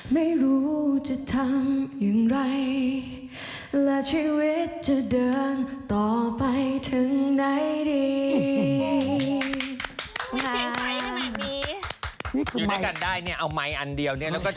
ไม่รู้จะทำอย่างไรและชีวิตจะเดินต่อไปถึงไหนดี